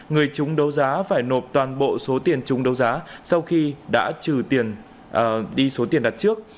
người chúng đấu giá phải nộp toàn bộ số tiền chung đấu giá sau khi đã trừ tiền đi số tiền đặt trước